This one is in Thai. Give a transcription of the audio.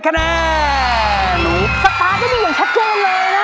สตาร์ทจะมีอย่างชัดเกินเลยนะฮะ